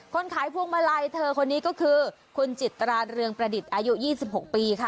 ขายพวงมาลัยเธอคนนี้ก็คือคุณจิตราเรืองประดิษฐ์อายุ๒๖ปีค่ะ